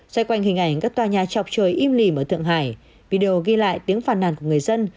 xoay quanh hình ảnh các tòa nhà chọc trời im lìm ở thượng hải video ghi lại tiếng phàn nàn của người dân